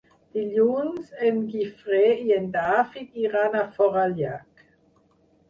Dilluns en Guifré i en David iran a Forallac.